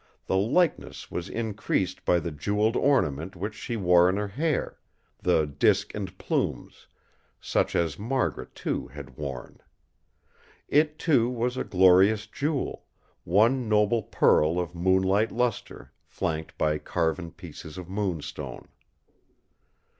The likeness was increased by the jewelled ornament which she wore in her hair, the "Disk and Plumes", such as Margaret, too, had worn. It, too, was a glorious jewel; one noble pearl of moonlight lustre, flanked by carven pieces of moonstone.